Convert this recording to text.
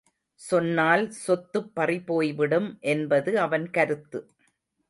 சொன்னால் சொத்துப் பறிபோய்விடும் என்பது அவன் கருத்து.